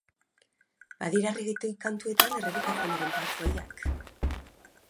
Badira regetoi kantuetan errepikatzen diren patroiak.